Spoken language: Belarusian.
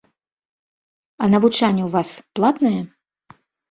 А навучанне ў вас платнае?